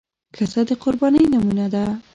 ښځه د قربانۍ نمونه ده.